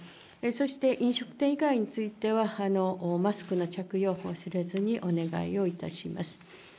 そして飲食店以外については、マスクの着用、忘れずにお願いをいたします。